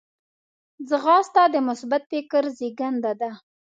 ځغاسته د مثبت فکر زیږنده ده